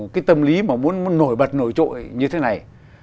cái tâm lý mà muốn nổi bật nổi trội như thế này